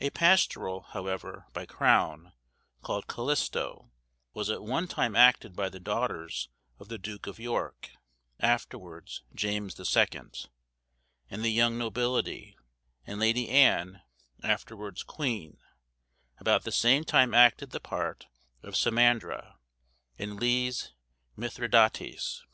A pastoral, however, by Crowne, called 'Calisto,' was at one time acted by the daughters of the Duke of York (afterwards James the Second) and the young nobility; and Lady Anne, afterwards queen, about the same time acted the part of Semandra, in Lee's 'Mithridates.